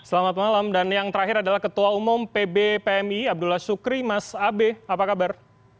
selamat malam dan yang terakhir adalah ketua umum pb pmi abdullah sukri mas abe apa kabar